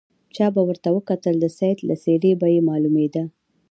چا به ورته وکتل د سید له څېرې به یې معلومېدله.